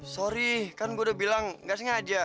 sorry kan gue udah bilang gak sengaja